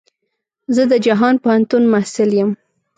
زه د جهان پوهنتون محصل يم.